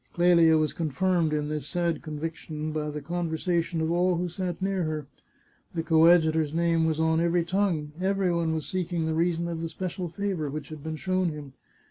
Clelia was confirmed in this sad conviction by the conversa tion of all who sat near her. The coadjutor's name was on every tongue ; every one was seeking the reason of the spe cial favour which had been shown him.